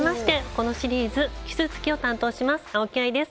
このシリーズ奇数月を担当します青木愛です。